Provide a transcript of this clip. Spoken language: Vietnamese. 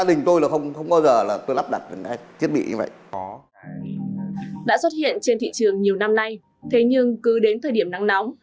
đã xuất hiện trên thị trường nhiều năm nay thế nhưng cứ đến thời điểm nắng nóng